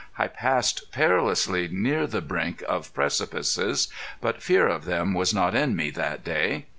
I passed perilously near the brink of precipices, but fear of them was not in me that day.